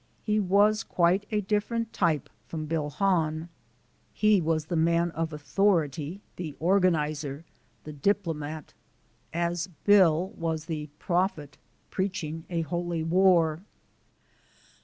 He was quite a different type from Bill Hahn: he was the man of authority, the organizer, the diplomat as Bill was the prophet, preaching a holy war.